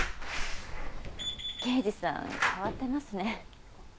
刑事さん変わってますね。